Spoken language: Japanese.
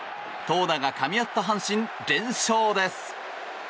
投打がかみ合った阪神連勝です。